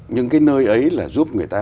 những cái nơi ấy là giúp người ta